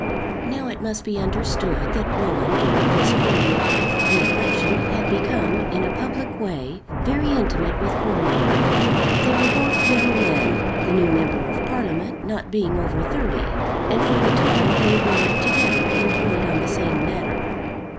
Now it must be understood that Rowan during this period of the election had become, in a public way, very intimate with Cornbury. They were both young men, the new Member of Parliament not being over thirty, and for the time they were together employed on the same matter.